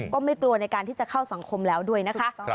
ก็ไม่กลัวในการที่จะเข้าสังคมแล้วด้วยนะคะ